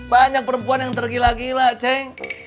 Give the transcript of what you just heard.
banyak perempuan yang tergila gila ceng